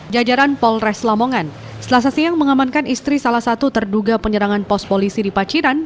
jajaran polres lamongan selasa siang mengamankan istri salah satu terduga penyerangan pos polisi di pacitan